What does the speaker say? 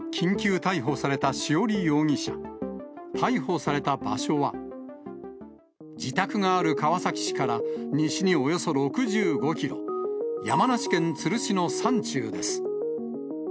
逮捕された場所は、自宅がある川崎市から西におよそ６５キロ、山梨県都留市の山中です。